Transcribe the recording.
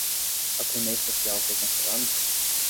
A turnê social foi cancelada?